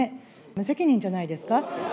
無責任じゃないですか。